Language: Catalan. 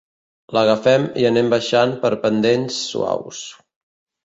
L'agafem i anem baixant per pendents suaus.